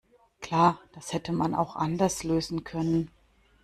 Klar, das hätte man auch anders lösen können.